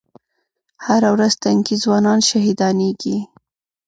هره ورځ تنکي ځوانان شهیدانېږي